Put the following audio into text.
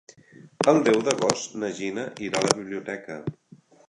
El deu d'agost na Gina irà a la biblioteca.